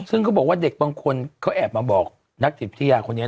ซึ่งเขาบอกว่าเด็กบางคนเขาแอบมาบอกนักจิตวิทยาคนนี้